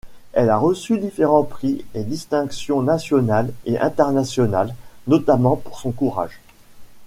Elle a reçu différents prix et distinctions nationales et internationales, notamment pour son courage.